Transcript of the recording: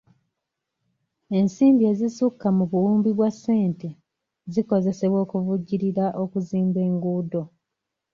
Ensimbi ezisukka mu buwumbi bwa ssente zikozesebwa okuvujjirira okuzimba enguudo.